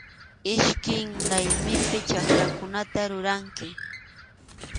Iskay laymipi chakrakunata ruranki.